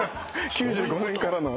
９５年からの。